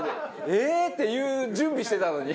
「ええー！」って言う準備してたのに。